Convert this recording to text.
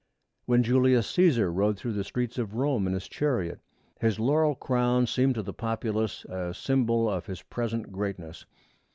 When Julius Cæsar rode through the streets of Rome in his chariot, his laurel crown seemed to the populace a symbol of his present greatness.